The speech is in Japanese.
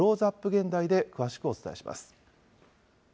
現代で詳しくお伝えします。